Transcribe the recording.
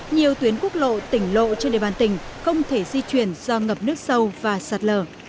nhiều tuyến quốc lộ tỉnh lộ trên địa bàn tỉnh không thể di chuyển do ngập nước sâu và sạt lở